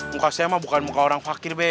muka saya mah bukan muka orang fakir deh